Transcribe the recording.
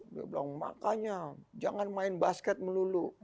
beliau bilang makanya jangan main basket melulu